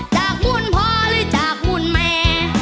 จากบุญพ่อหรือจากบุญแม่